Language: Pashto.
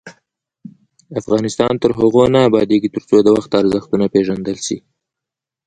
افغانستان تر هغو نه ابادیږي، ترڅو د وخت ارزښت ونه پیژندل شي.